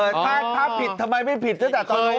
ถ้าผิดทำไมไม่ผิดตั้งแต่ตอนนี้